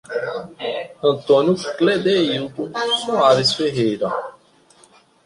Antônio Cledeildo Soares Ferreira